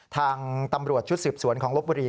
ทางตำรวจชุดสืบสวนของลบบุรี